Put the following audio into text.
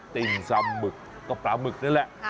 ติ้มซำหมึกก็ปลาหมึกนั่นแหละ